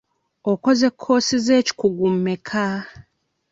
Okoze kkoosi z'ekikugu mmeka?